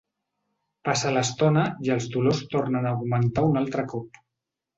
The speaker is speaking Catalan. Passa l’estona i els dolors tornen a augmentar un altre cop.